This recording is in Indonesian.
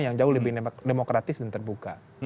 yang jauh lebih demokratis dan terbuka